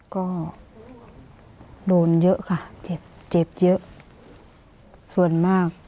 ก็โดนเยอะค่ะเจ็บเยอะ